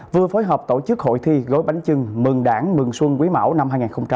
vừa phối hợp tổ chức hội thi gói bánh trưng mừng đảng mừng xuân quý mão năm hai nghìn hai mươi